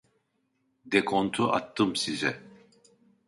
Dekontu attım size